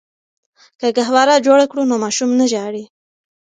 که ګهواره جوړه کړو نو ماشوم نه ژاړي.